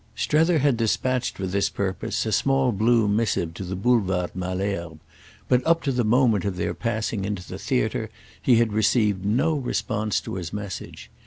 Strether had dispatched for this purpose a small blue missive to the Boulevard Malesherbes, but up to the moment of their passing into the theatre he had received no response to his message.